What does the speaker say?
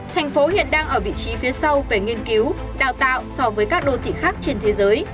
thành phố hiện đang ở vị trí phía sau về nghiên cứu đào tạo so với các đô thị khác trên thế giới